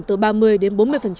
từ ba mươi đến bốn mươi